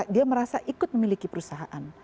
dia merasa ikut memiliki perusahaan